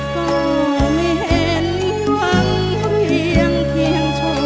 ก็ไม่เห็นหวังเพียงชม